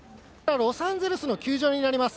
ロサンゼルスの球場になります。